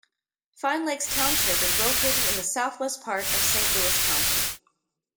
Fine Lakes Township is located in the southwest part of Saint Louis County.